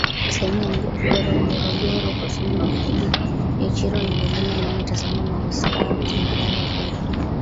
sehemu ya Morogoro Kusini Magharibi Nyiachiro na milima inayotazama Manispaa na tambarare yake hadi